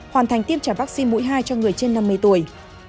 hoàn thành tiêm trả vaccine mũi hai cho người trên năm mươi tuổi